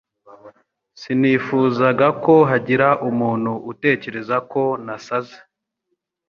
Sinifuzaga ko hagira umuntu utekereza ko nasaze.